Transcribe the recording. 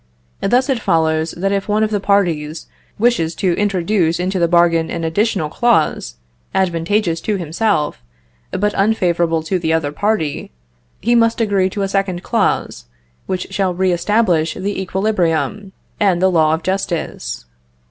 Thus it follows, that if one of the parties wishes to introduce into the bargain an additional clause, advantageous to himself, but unfavorable to the other party, he must agree to a second clause, which shall re establish the equilibrium, and the law of justice.